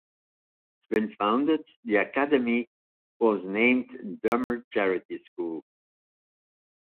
When founded, the Academy was named "Dummer Charity School".